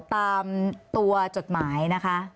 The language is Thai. ตามตัวจดหมายนะคะ